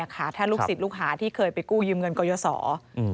ถ้าลูกศิษย์ลูกหาที่เคยไปกู้ยืมเงินกยศร